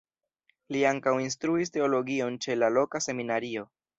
Li ankaŭ instruis teologion ĉe la loka seminario.